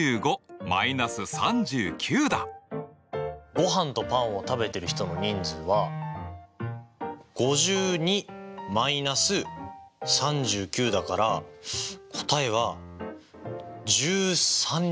ごはんとパンを食べてる人の人数は５２−３９だから答えは１３人。